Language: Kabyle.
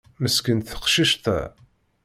Meskint teqcict-a.